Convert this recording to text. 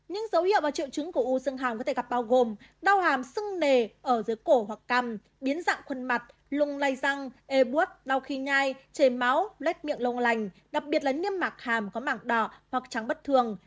những dấu hiệu và triệu chứng của u xương hàm có thể gặp bao gồm đau hàm xưng nề ở dưới cổ hoặc cằm biến dạng khuôn mặt lùng lây răng ê buốt đau khi nhai chề máu lết miệng lông lành đặc biệt là niêm mạc hàm có mảng đỏ hoặc trắng bất thường